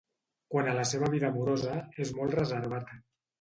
Quant a la seva vida amorosa és molt reservat.